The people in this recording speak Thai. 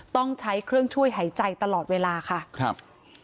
ต้องใช้เครื่องช่วยหายใจตลอดเวลาค่ะครับ